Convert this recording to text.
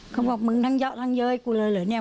เขาบอกมึงทั้งเยอะทั้งเย้ยกูเลยเหรอเนี่ย